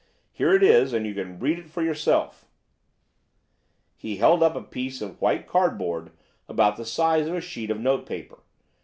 Here it is, and you can read for yourself." He held up a piece of white cardboard about the size of a sheet of note paper.